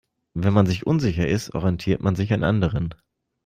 Wenn man sich unsicher ist, orientiert man sich an anderen.